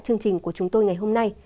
chương trình của chúng tôi ngày hôm nay